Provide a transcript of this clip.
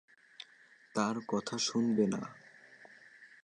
তার কথা শুনবে না!